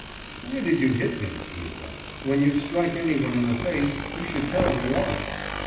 »Why did you hit me, Liuba? When you strike anyone in the face, you should tell them why.